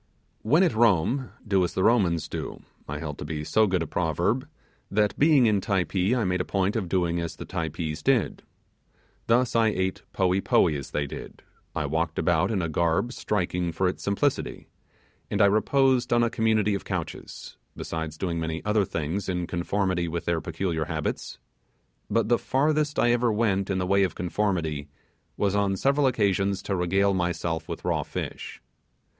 When at Rome do as the Romans do, I held to be so good a proverb, that being in Typee I made a point of doing as the Typees did. Thus I ate poee poee as they did; I walked about in a garb striking for its simplicity; and I reposed on a community of couches; besides doing many other things in conformity with their peculiar habits; but the farthest I ever went in the way of conformity, was on several occasions to regale myself with raw fish.